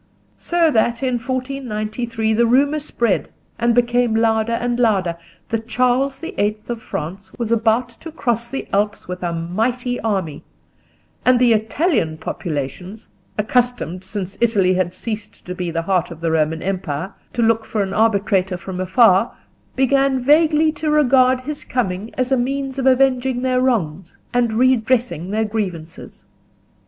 So that in 1493 the rumour spread and became louder and louder that Charles the Eighth of France was about to cross the Alps with a mighty army; and the Italian populations, accustomed, since Italy had ceased to be the heart of the Roman empire, to look for an arbitrator from afar, began vaguely to regard his coming as a means of avenging their wrongs and redressing their grievances.